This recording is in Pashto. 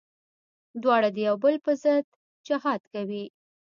دواړه د يو بل پر ضد جهاد کوي.